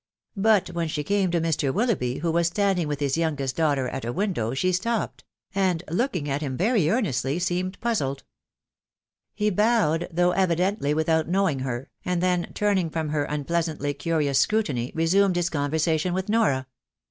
But when she came to Mr. Willoughby, who was standing with his youngest daughter at a window, she stopped, and looking at him very earnestly, seemed puzzled. He bowed, though evidently without knowing her, and then, turning from her unpleasantly curious scrutiny, resumed his conversation with Nora.